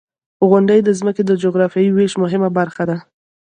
• غونډۍ د ځمکې د جغرافیوي ویش مهمه برخه ده.